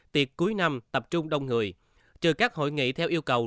tiệc cuối năm tập trung đông người trừ các hội nghị theo yêu cầu